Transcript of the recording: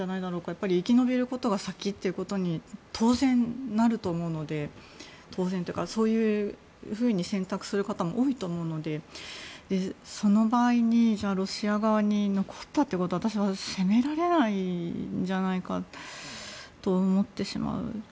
やっぱり生き延びることが先ということに当然なると思うのでそういうふうに選択する方も多いと思うのでその場合にロシア側に残ったということは私は責められないんじゃないかと思ってしまう。